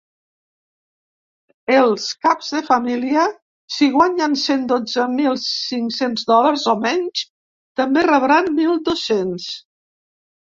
Els caps de família, si guanyen cent dotze mil cinc-cents dòlars o menys, també rebran mil dos-cents.